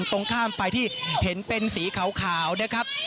ตรงข้ามไปที่เห็นเป็นสีขาวนะครับ